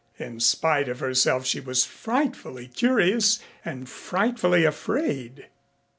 In spite of herself she was frightfully curious and frightfully afraid.